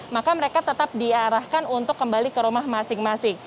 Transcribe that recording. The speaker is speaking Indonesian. maka mereka tetap diarahkan untuk kembali ke rumah masing masing